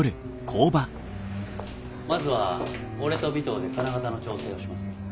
・まずは俺と尾藤で金型の調整をします。